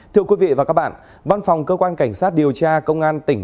thưa quý vị và các bạn văn phòng cơ quan cảnh sát điều tra công an tỉnh